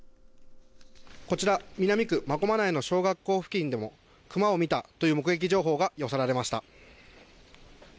こちら南区真駒内の小学校付近でも熊を見たという目撃情報が寄せられました。